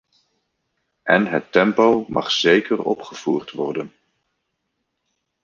En het tempo mag zeker opgevoerd worden.